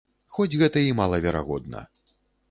Хоць гэта і малаверагодна.